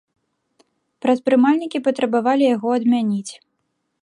Прадпрымальнікі патрабавалі яго адмяніць.